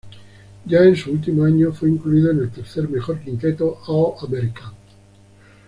Ya en su último año fue incluido en el tercer mejor quinteto All-American.